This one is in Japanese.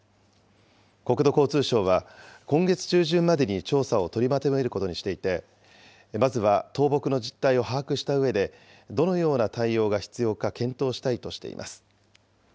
国土交通省は、今月中旬までに調査を取りまとめることにしていて、まずは倒木の実態を把握したうえで、どのような対応が必要か検討したいとしています。